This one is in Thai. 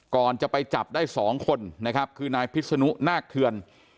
ก่อนจะไปจับได้๒คนนะครับคือนายพิษนุนาคเทือน